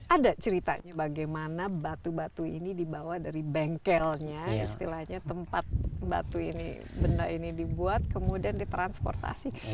ada ceritanya bagaimana batu batu ini dibawa dari bengkelnya istilahnya tempat batu ini benda ini dibuat kemudian ditransportasi ke sini